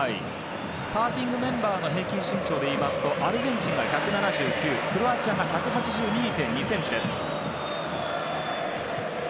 スターティングメンバーの平均身長で言いますとアルゼンチンが１７９クロアチアが１８２．２ｃｍです。